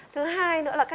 thứ hai nữa là